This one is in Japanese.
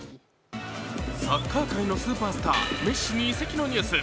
サッカー界のスーパースター、メッシに移籍のニュース。